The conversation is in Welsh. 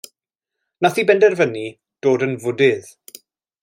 Nath hi benderfynu dod yn Fwdydd.